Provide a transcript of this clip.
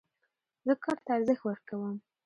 زه کار ته ارزښت ورکوم.